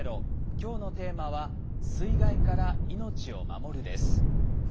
今日のテーマは「水害から命を守る」です。